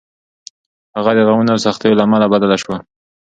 هغه د غمونو او سختیو له امله بدله شوه.